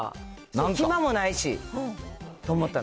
暇もないし、と思ったの。